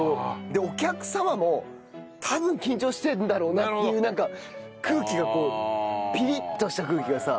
でお客様も多分緊張してるんだろうなっていうなんか空気がこうピリッとした空気がさ。